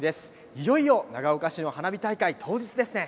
いよいよ長岡市の花火大会当日ですね。